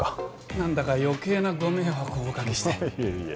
何だか余計なご迷惑をおかけしていえいえ